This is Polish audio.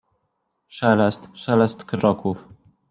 Szelest, szelest kroków.